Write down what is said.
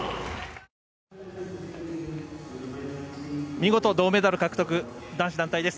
見事、銅メダル獲得男子団体です。